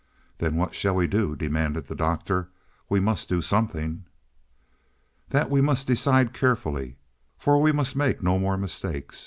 "Then what shall we do?" demanded the Doctor. "We must do something." "That we must decide carefully, for we must make no more mistakes.